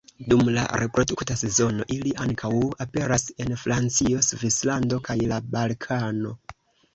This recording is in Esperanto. Dum la reprodukta sezono ili ankaŭ aperas en Francio, Svislando kaj la Balkano.